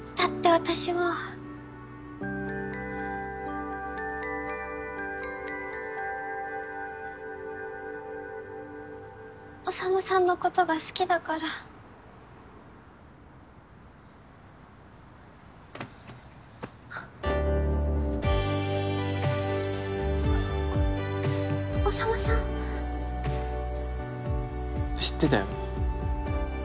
私は宰さんのことが好きだから宰さん知ってたよ